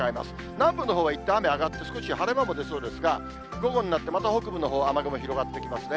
南部のほうはいったん雨が上がって、少し晴れ間も出そうですが、午後になってまた北部のほう、雨雲広がってきますね。